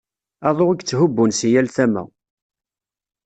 Aḍu i yetthubbun si yal tama.